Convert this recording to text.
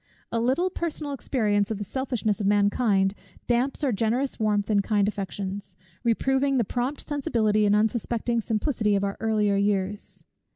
A little personal experience of the selfishness of mankind, damps our generous warmth and kind affections; reproving the prompt sensibility and unsuspecting simplicity of our earlier years.